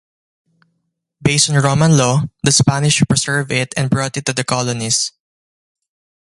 Based on Roman law, the Spanish preserved it and brought it to the colonies.